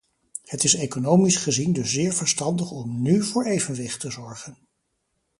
Het is economisch gezien dus zeer verstandig om nú voor evenwicht te zorgen.